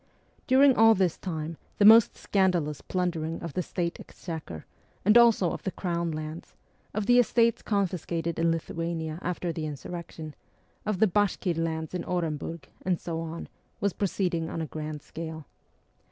During all this time the most scandalous plundering of the State exchequer, and also of the Crown lands, of the estates confiscated in Lithuania after the insurrection, of the Bashkir lands in Orenburg, and so on, was proceeding on a grand scale.